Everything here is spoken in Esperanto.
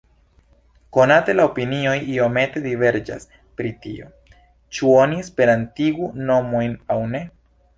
Konate, la opinioj iomete diverĝas pri tio, ĉu oni esperantigu nomojn aŭ ne.